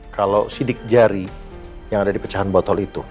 kalau sidik jari yang ada di pecahan botol itu